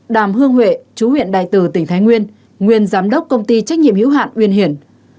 đàm hương huệ chú huyện đại từ tỉnh thái nguyên nguyên giám đốc công ty trách nhiệm hữu hạn uyên hiển